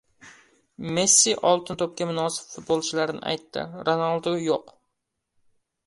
Messi "Oltin to‘p"ga munosib futbolchilarni aytdi. Ronaldu yo‘q